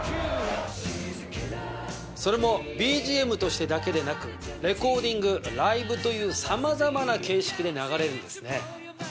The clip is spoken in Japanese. それもＢＧＭとしてだけでなくレコーディングライブというさまざまな形式で流れるんですね。